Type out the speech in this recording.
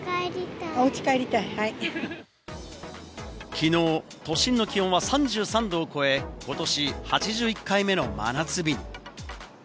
きのう都心の気温は３３度を超え、ことし８１回目の真夏日に。